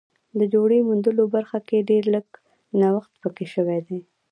د جوړې موندلو برخه کې ډېر لږ نوښت پکې شوی دی